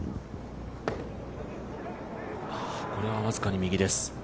これは僅かに右です。